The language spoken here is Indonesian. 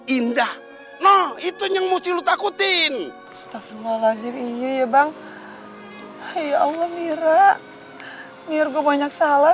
indah nah itu yang musti lu takutin setafullah lazim iya bang hai allah mira mirgo banyak salah